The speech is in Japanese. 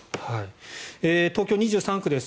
東京２３区です。